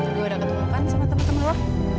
gue udah ketemu kan sama temen temen loh